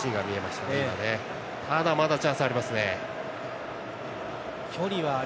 ただ、まだチャンスありますね。